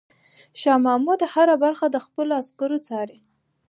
شاه محمود هره برخه د خپلو عسکرو څاري.